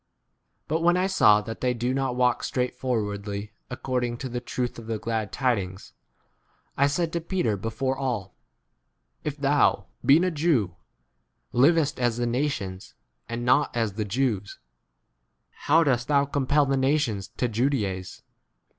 But when I saw that they do not? walk straightforwardly, according to the truth of the glad tidings, I said to Petar before all, If thou, being a Jew, livest as the nations and not as the Jews, why dost thou compel the nations to ju s daize